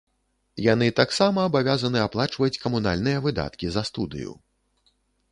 Яны таксама абавязаны аплачваць камунальныя выдаткі за студыю.